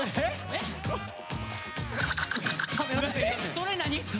それ何？